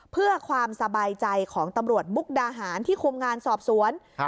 เพื่อความสบายใจของตำรวจมุกดาหารที่คุมงานสอบสวน